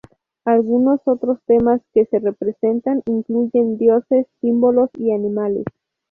Algunos otros temas que se representan incluyen dioses, símbolos y animales.